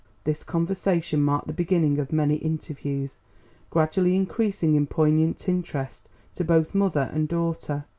This conversation marked the beginning of many interviews, gradually increasing in poignant interest to both mother and daughter.